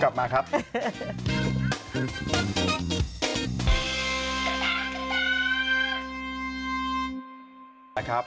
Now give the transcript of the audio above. กลับมาครับ